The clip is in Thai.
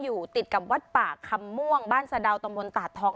อยู่ติดกับวัดป่าคำม่วงบ้านสะดาวตำบลตาดทอง